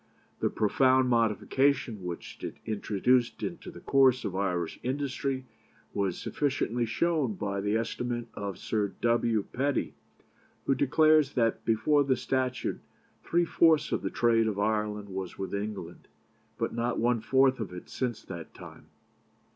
The profound modification which it introduced into the course of Irish industry was sufficiently shown by the estimate of Sir W. Petty, who declares that before the statute three fourths of the trade of Ireland was with England, but not one fourth of it since that time.